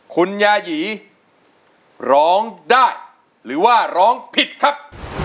คุณยายีร้องได้หรือว่าร้องผิดครับ